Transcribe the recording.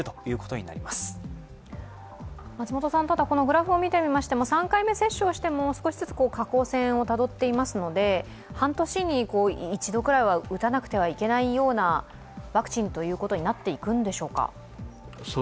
このグラフを見てみましても、３回目接種をしても少しずつ下降線をたどっていますので半年に一度くらいは打たなくてはいけないようなワクチンとなっていくんでしょうか？